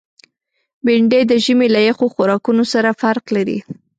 بېنډۍ د ژمي له یخو خوراکونو سره فرق لري